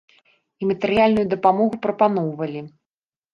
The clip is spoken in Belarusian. І матэрыяльную дапамогу прапаноўвалі.